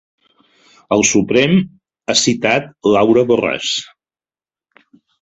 El Suprem ha citat Laura Borràs